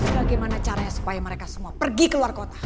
bagaimana caranya supaya mereka semua pergi keluar kota